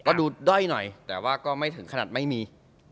ก็ดูด้อยหน่อยแต่ว่าก็ไม่ถึงขนาดไม่มี